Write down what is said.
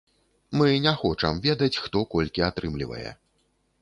Мы не хочам ведаць, хто колькі атрымлівае.